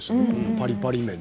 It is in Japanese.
パリパリ麺。